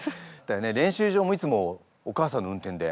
練習場もいつもお母さんの運転で？